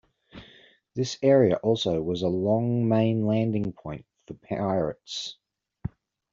This area also was long a main landing point for pirates.